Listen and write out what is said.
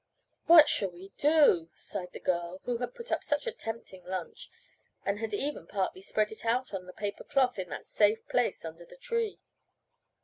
"What shall we do," sighed the girl, who had put up such a tempting lunch, and had even partly spread it out on the paper cloth in that "safe" place under the tree.